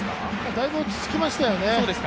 だいぶ落ち着きましたよね。